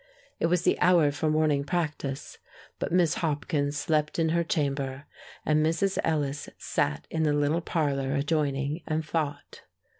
It was the hour for morning practice, but Miss Hopkins slept in her chamber, and Mrs. Ellis sat in the little parlor adjoining, and thought.